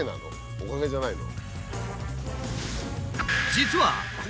おかげじゃないの？